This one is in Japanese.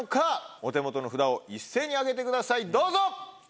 お手元の札を一斉に上げてくださいどうぞ！